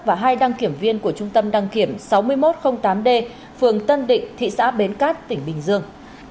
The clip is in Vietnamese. và hai đăng kiểm viên của trung tâm đăng kiểm sáu nghìn một trăm linh tám d phường tân định thị xã bến cát tỉnh bình dương